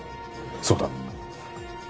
そうだ。